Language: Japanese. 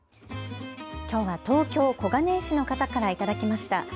きょうは東京小金井市の方から頂きました。